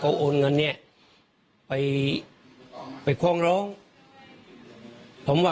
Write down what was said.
ก็เลยขับรถไปมอบตัว